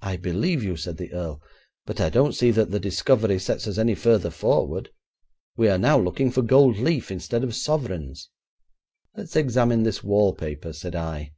'I believe you,' said the earl; 'but I don't see that the discovery sets us any further forward. We're now looking for gold leaf instead of sovereigns.' 'Let's examine this wallpaper,' said I.